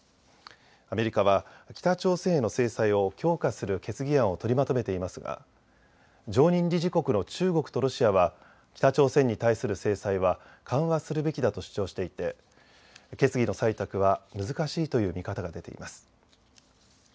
アメリカは北朝鮮への制裁を強化する決議案を取りまとめていますが常任理事国の中国とロシアは北朝鮮に対する制裁は緩和するべきだと主張していて決議の採択は難しいという見方が出ています。